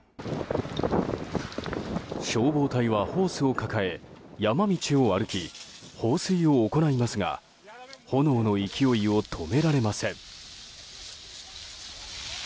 消防隊はホースを抱え山道を歩き放水を行いますが炎の勢いを止められません。